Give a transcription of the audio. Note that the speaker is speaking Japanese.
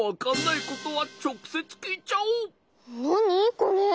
これ。